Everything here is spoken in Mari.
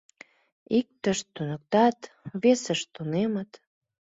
Иктышт туныктат, весышт тунемыт.